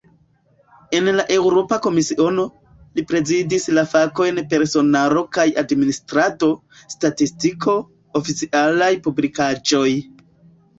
En la Eŭropa Komisiono, li prezidis la fakojn "personaro kaj administrado, statistiko, oficialaj publikaĵoj".